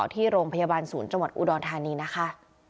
ที่โรงพยาบาลศูนย์จังหวัดอุดรธานีนะคะ